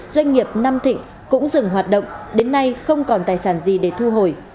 doanh nghiệp nam thịnh cũng dừng hoạt động đến nay không còn tài sản gì để thu hồi